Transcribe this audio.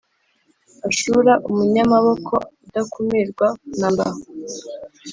Ashuru, umunyamaboko udakumirwa na mba